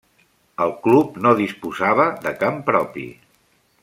El club no disposava de camp propi.